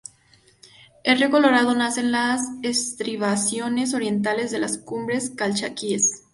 El río Colorado nace en las estribaciones orientales de las Cumbres Calchaquíes.